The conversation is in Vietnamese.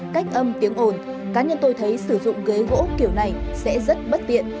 cách âm tiếng ồn cá nhân tôi thấy sử dụng ghế gỗ kiểu này sẽ rất bất tiện